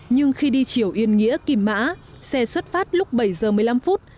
nhưng khi đi chiều yên nghĩa kim mã xe xuất phát lúc bảy giờ một mươi năm phút